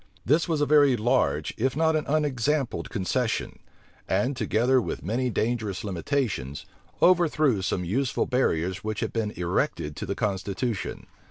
This was a very large, if not an unexampled concession; and, together with many dangerous limitations, overthrew some useful barriers which had been erected to the constitution.